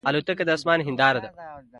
الوتکه د آسمان هنداره ده.